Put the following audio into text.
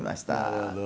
なるほど。